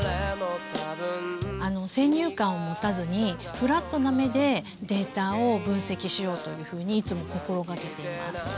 先入観を持たずにフラットな目でデータを分析しようというふうにいつも心がけています。